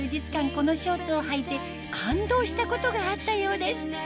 このショーツをはいて感動したことがあったようです